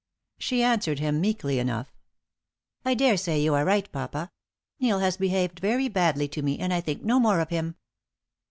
She answered him meekly enough. "I daresay you are right, papa, Neil has behaved very badly to me, and I think no more of him."